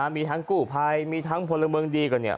มีทั้งกู้ภัยมีทั้งพลเมืองดีก่อนเนี่ย